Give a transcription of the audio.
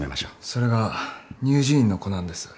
それが乳児院の子なんです。